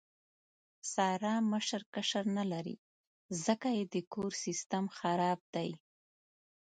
ساره مشر کشر نه لري، ځکه یې د کور سیستم خراب دی.